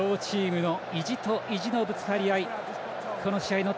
両チームの意地と意地のぶつかり合い。